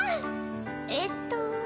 えっと。